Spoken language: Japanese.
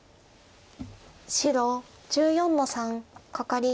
白１４の三カカリ。